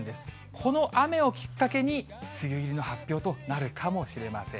この雨をきっかけに、梅雨入りの発表となるかもしれません。